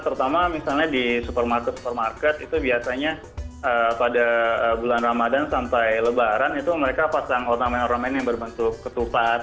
terutama misalnya di supermarket supermarket itu biasanya pada bulan ramadan sampai lebaran itu mereka pasang ornamen ornamen yang berbentuk ketupat